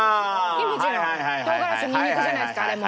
キムチの唐辛子とニンニクじゃないですかあれも。